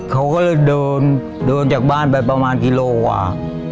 เขาก็เลยเดินจากบ้านไปประมาณกิโลกว่า